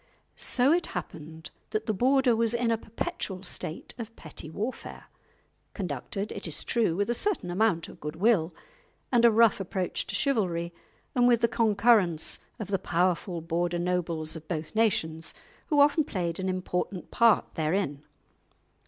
So it happened that the Border was in a perpetual state of petty warfare, conducted, it is true, with a certain amount of good will and a rough approach to chivalry, and with the concurrence of the powerful Border nobles of both nations, who often played an important part therein.